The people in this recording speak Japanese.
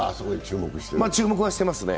注目はしてますね。